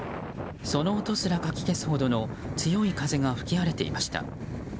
その音すらかき消すほどの強い風が吹き荒れていました。